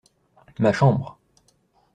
Ma chambre.